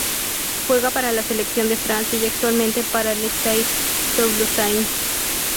Juega para la selección de Francia y actualmente para el Stade Toulousain.